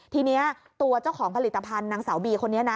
ทีนี้ตัวเจ้าของผลิตภัณฑ์นางสาวบีคนนี้นะ